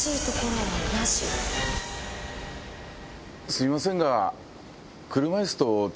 すいませんが。